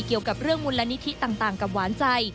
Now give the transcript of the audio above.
เกี่ยวกับเรื่องมูลนิธิต่างกับหวานใจ